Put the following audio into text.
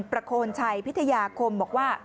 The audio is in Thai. โคนชัยพิทยาคมบอกว่า